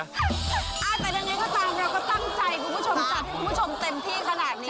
แต่ยังไงก็ตามเราก็ตั้งใจคุณผู้ชมจัดให้คุณผู้ชมเต็มที่ขนาดนี้